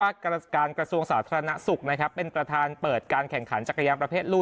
รุงประการกราการกระทรวงสาธารณสุขนะครับเป็นประทานเปิดการแข่งขันจักรยามประเภทรู